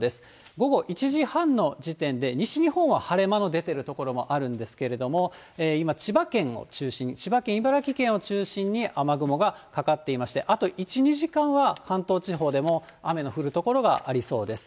午後１時半の時点で西日本は晴れ間の出てる所もあるんですけれども、今、千葉県を中心に、千葉県、茨城県を中心に雨雲がかかっていまして、あと１、２時間は関東地方でも雨の降る所がありそうです。